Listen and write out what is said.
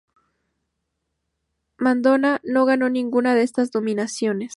Madonna no ganó ninguna de esas nominaciones.